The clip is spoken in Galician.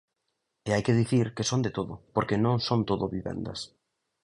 E hai que dicir que son de todo, porque non son todo vivendas.